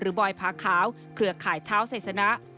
หรือบอยพาขาวเครือข่ายเท้าสัยสนา